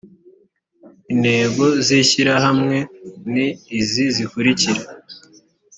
intego z ishyirahamwe ni izi zikurikira